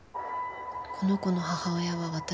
「この子の母親は私です」